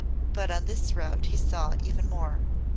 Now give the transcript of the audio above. But on this route he saw even more.